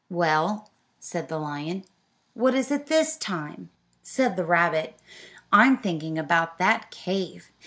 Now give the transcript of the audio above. "Well," said the lion, "what is it this time?" Said the rabbit: "I'm thinking about that cave.